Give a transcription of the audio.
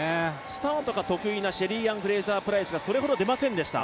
スタートが得意なシェリーアン・フレイザー・プライスがそれほど出ませんでした。